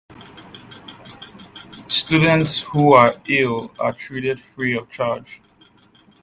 Students who are ill are treated free of charge.